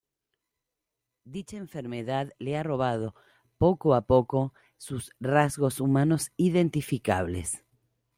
Dicha enfermedad le ha robado poco a poco sus rasgos humanos identificables.